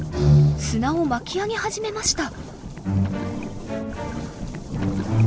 砂を巻き上げ始めました。